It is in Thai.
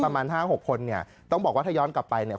ประมาณห้าหกคนเนี่ยต้องบอกว่าถ้าย้อนกลับไปเนี่ย